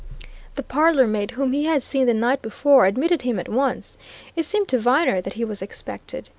The parlour maid whom he had seen the night before admitted him at once; it seemed to Viner that he was expected.